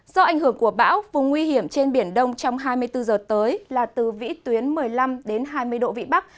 do ảnh hưởng của bão vùng nguy hiểm trên biển đông trong hai mươi bốn h tới là từ vĩ tuyến một mươi năm hai mươi độ vị bắc